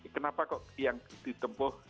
kenapa kok yang ditempuh